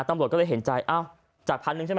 ตำรวจก็เลยเห็นใจอ้าวจาก๑๐๐๐ใช่ไหม